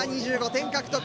２５点獲得。